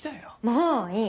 もういい。